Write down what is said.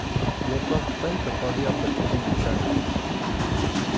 Ñuqaqa tayta Fabianpa churinmi kani.